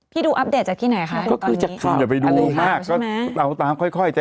ดูอัปเดตจากที่ไหนคะก็คือจากคุณอย่าไปดูมากก็เราตามค่อยค่อยจะ